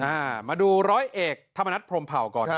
มาดูร้อยเอกธรรมนัฐพรมเผาก่อนครับ